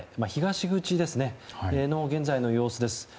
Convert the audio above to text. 東口の現在の様子です。